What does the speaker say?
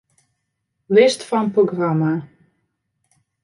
List fan programma.